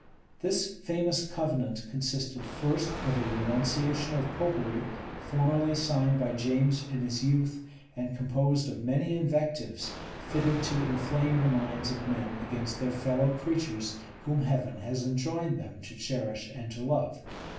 This famous covenant consisted first of a renunciation of Popery, formerly signed by James in his youth, and composed of many invectives, fitted to inflame the minds of men against their fellow creatures, whom Heaven has enjoined them to cherish and to love.